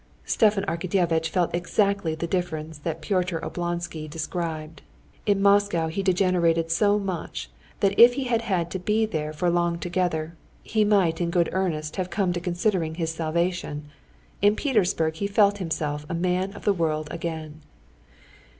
Stepan Arkadyevitch felt exactly the difference that Pyotr Oblonsky described. In Moscow he degenerated so much that if he had had to be there for long together, he might in good earnest have come to considering his salvation; in Petersburg he felt himself a man of the world again.